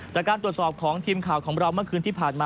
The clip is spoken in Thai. จากการตรวจสอบของทีมข่าวของเราเมื่อคืนที่ผ่านมา